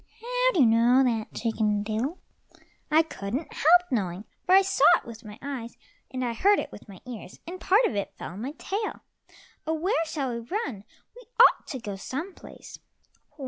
"How do you know that, Chicken diddle?" "I couldn't help knowing, for I saw it with my eyes, and I heard it with my ears, and part of it fell on my tail. Oh, where shall we run? We ought to go some place."